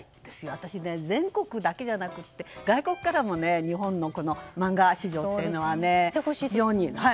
私、全国だけじゃなくて外国からも日本の漫画市場というのは非常に。